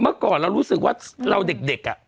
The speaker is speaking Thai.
เมื่อก่อนเรารู้สึกว่าเราเด็กอ่ะ